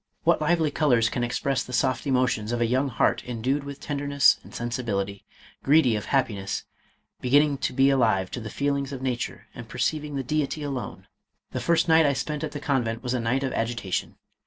What lively colors can express the soft emotions of a young heart endued with tenderness and sensibility, greedy of happiness, beginning to be alive to the feel 478 MADAME ROLAND. ings of nature and perceiving the Deity alone ? The first night I spent at the convent was a night of agita tion.